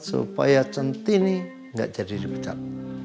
supaya centini nggak jadi dipecat